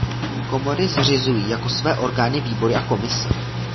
Komory zřizují jako své orgány výbory a komise.